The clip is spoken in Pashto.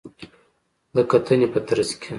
د کتنې په ترڅ کې